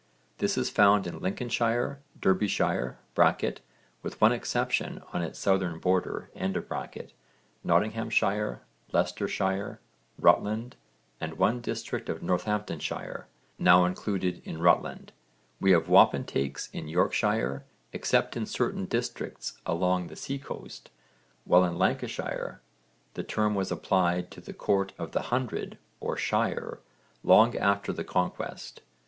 This is found in Lincolnshire, Derbyshire (with one exception on its southern border), Nottinghamshire, Leicestershire, Rutland, and one district of Northamptonshire, now included in Rutland. We have wapentakes in Yorkshire, except in certain districts along the sea coast, while in Lancashire the term was applied to the court of the hundred or shire long after the Conquest.